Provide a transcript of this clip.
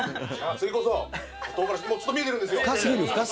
次こそ、葉トウガラシ、ちょっと見えてるんですよ。